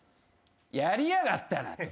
やりやがったな！と。